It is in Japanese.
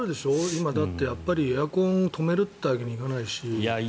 今、だってエアコンを止めるわけにはいかないし。